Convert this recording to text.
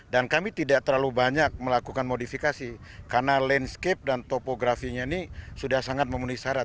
dan kami tidak terlalu banyak melakukan modifikasi karena landscape dan topografinya ini sudah sangat memenuhi syarat